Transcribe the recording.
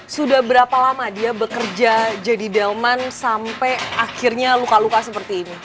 sudah berapa lama dia bekerja jadi delman sampai akhirnya luka luka seperti ini